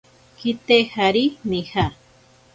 Kitejari nija.